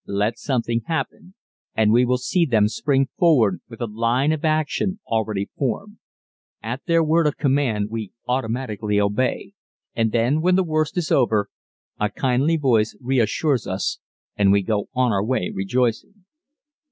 Let something happen and we will see them spring forward with a line of action already formed. At their word of command we automatically obey and then when the worst is over a kindly voice reassures us and we go on our way rejoicing.